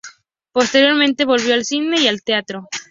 Posteriormente volvió al cine y al teatro.